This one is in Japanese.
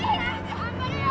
頑張れよ！